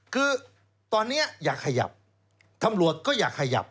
คือตอนนี้อยากขยับตำรวจก็อยากขยับ